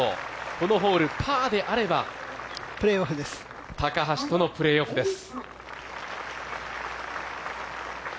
このホール、パーであれば高橋とのプレーオフです。